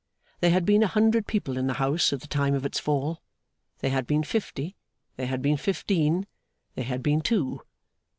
There had been a hundred people in the house at the time of its fall, there had been fifty, there had been fifteen, there had been two.